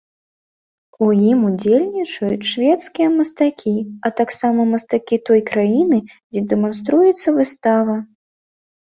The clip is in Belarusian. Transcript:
У ім удзельнічаюць шведскія мастакі, а таксама мастакі той краіны, дзе дэманструецца выстава.